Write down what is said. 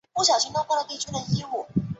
南昆虾脊兰为兰科虾脊兰属下的一个种。